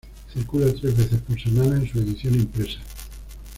Circula tres veces por semana en su edición impresa.